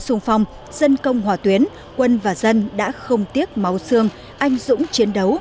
sung phong dân công hòa tuyến quân và dân đã không tiếc máu xương anh dũng chiến đấu